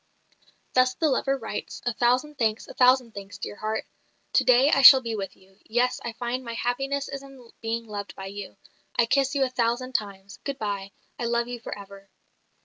Thus the lover writes, "A thousand thanks, a thousand thanks, dear heart! To day I shall be with you. Yes, I find my happiness is in being loved by you. I kiss you a thousand times! Good bye. I love you for ever."